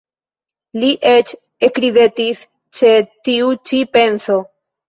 Li eĉ ekridetis ĉe tiu ĉi penso.